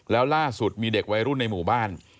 แล้วล่าสุดมีเด็กวัยรุ่นในหมู่บ้าน